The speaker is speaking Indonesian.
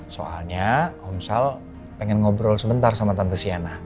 soalnya om sal pengen ngobrol sebentar sama tante sienna